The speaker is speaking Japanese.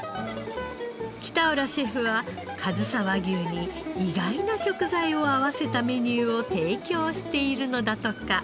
北浦シェフはかずさ和牛に意外な食材を合わせたメニューを提供しているのだとか。